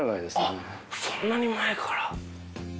そんなに前から？